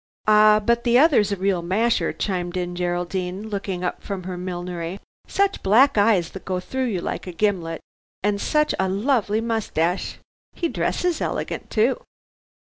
"Ah, but the other's a real masher," chimed in Geraldine, looking up from her millinery; "such black eyes, that go through you like a gimlet, and such a lovely moustache. He dresses elegant too."